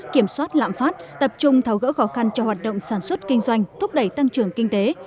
kiểm soát lạm phát tập trung tháo gỡ khó khăn cho hoạt động sản xuất kinh doanh thúc đẩy tăng trưởng kinh tế